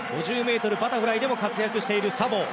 ５０ｍバタフライでも活躍しているサボー。